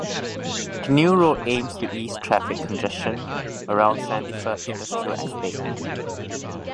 The new road aims to ease traffic congestion around Sandyford Industrial Estate.